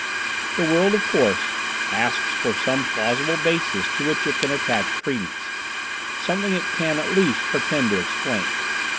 The world, of course, asks for some plausible basis to which it can attach credence—something it can, at least, pretend to explain.